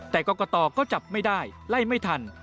แต่กรกตก็จับไม่ได้ไล่ไม่ทัน